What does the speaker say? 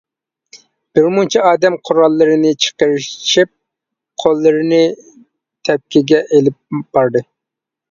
بىرمۇنچە ئادەم قوراللىرىنى چىقىرىشىپ، قوللىرىنى تەپكىگە ئېلىپ باردى.